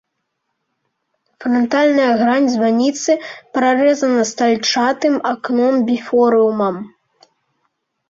Франтальная грань званіцы прарэзана стральчатым акном-біфорыумам.